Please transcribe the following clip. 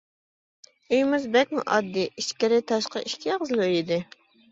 ئۆيىمىزمۇ بەكمۇ ئاددىي، ئىچكىرى-تاشقىرى ئىككى ئېغىزلا ئۆي ئىدى.